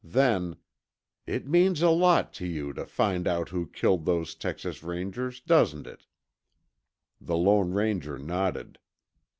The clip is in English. Then, "It means a lot to you to find out who killed those Texas Rangers, doesn't it?" The Lone Ranger nodded.